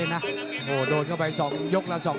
นั้นข้างล่าง